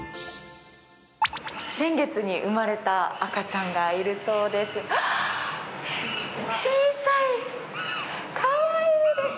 先月に生まれた赤ちゃんがいるそうです。